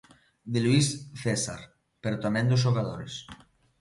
De Luís César, pero tamén dos xogadores.